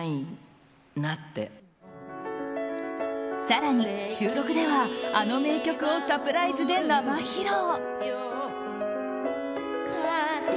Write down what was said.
更に収録ではあの名曲をサプライズで生披露。